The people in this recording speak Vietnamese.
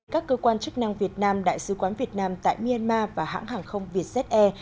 các cơ quan chức năng việt nam đại sứ quán việt nam tại myanmar và hãng hàng không vietjet air